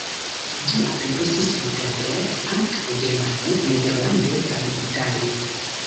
Ĝi aperis samtempe ankaŭ germane, nederlande kaj itale.